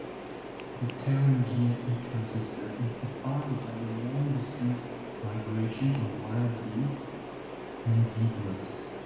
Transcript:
The Tarangire Ecosystem is defined by the long-distance migration of wildebeest and zebras.